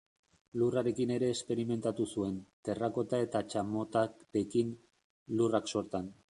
Lurrarekin ere esperimentatu zuen, terrakota eta txamotarekin, Lurrak sortan.